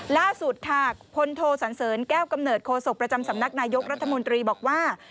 ล่าสุดค่ะพลโทสันเสริญแก้วกำเนิดโคศกประจำสำนักนายกรัฐมนตรีบอกว่า